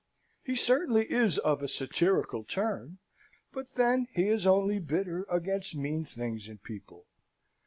He certainly is of a satirical turn, but then he is only bitter against mean things and people.